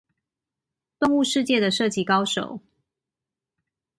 動物世界的射擊高手